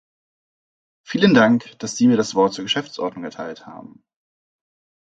Vielen Dank, dass Sie mir das Wort zur Geschäftsordnung erteilt haben.